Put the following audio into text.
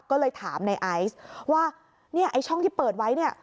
ก็เลยถามในไอซ์ว่าเนี่ยไอ้ช่องที่เปิดไว้เนี่ย